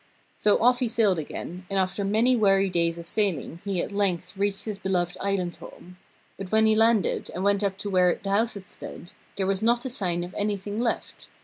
So off he sailed again, and after many weary days of sailing he at length reached his beloved island home. But when he landed and went up to where the house had stood, there was not a sign of anything left.